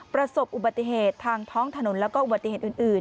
ประสบอุบัติเหตุทางท้องถนนแล้วก็อุบัติเหตุอื่น